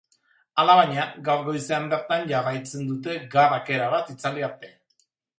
Alabaina, gaur goizean bertan jarraitzen dute, garrak erabat itzali arte.